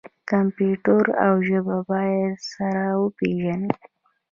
کمپیوټر او ژبه باید سره وپیژني.